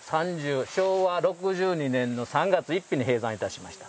昭和６２年の３月１日に閉山いたしました。